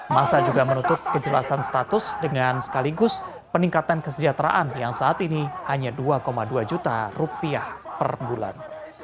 masa juga menutup kejelasan status dengan sekaligus peningkatan kesejahteraan yang saat ini hanya dua dua juta rupiah per bulan